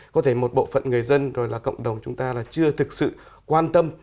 có thể một bộ phận người dân rồi là cộng đồng chúng ta là chưa thực sự quan tâm